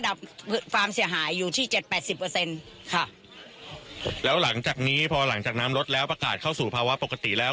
ความเสียหายอยู่ที่เจ็ดแปดสิบเปอร์เซ็นต์ค่ะแล้วหลังจากนี้พอหลังจากน้ำลดแล้วประกาศเข้าสู่ภาวะปกติแล้ว